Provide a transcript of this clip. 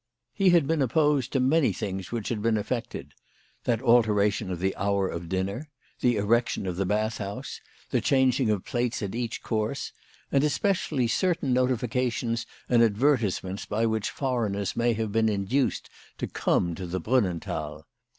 He had been opposed to many things which had been effected, that altera tion of the hour of dinner, the erection of the bath house, the changing of plates at each course, and especially certain notifications and advertisements by which foreigners may have been induced to come to the Brunnenthal.